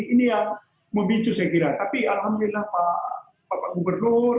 ini yang memicu saya kira tapi alhamdulillah pak gubernur